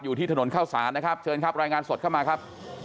อยู่ที่ถนนเข้าศาลนะครับเชิญครับรายงานสดเข้ามาครับ